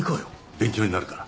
勉強になるから。